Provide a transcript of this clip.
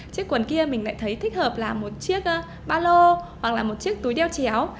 chiếc quần kia mình lại thấy thích hợp là một chiếc ba lô hoặc là một chiếc túi đeo chéo